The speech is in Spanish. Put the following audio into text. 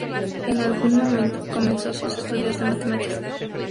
En algún momento comenzó sus estudios de matemáticas.